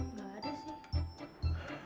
nggak ada sih